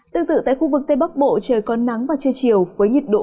tương tự tại khu vực tây bắc bộ trời còn nắng vào trưa chiều